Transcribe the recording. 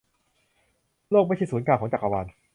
โลกไม่ใช่ศูนย์กลางของจักรวาล